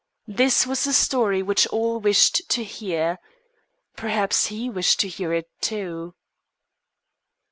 This was a story which all wished to hear. Perhaps he wished to hear it, too.